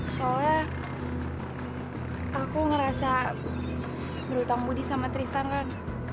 soalnya aku ngerasa berhutang budi sama tristan kan